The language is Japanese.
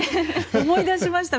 思い出しました。